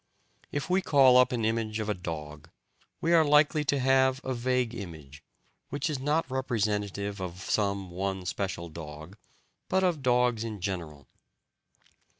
If we call up an image of a dog, we are very likely to have a vague image, which is not representative of some one special dog, but of dogs in general.